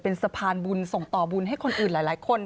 เป็นสะพานบุญส่งต่อบุญให้คนอื่นหลายคน